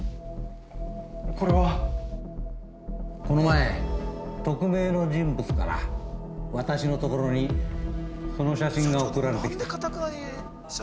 ◆これは◆この前、匿名の人物から私のところにこの写真が送られてきた。